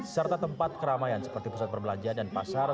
serta tempat keramaian seperti pusat perbelanjaan dan pasar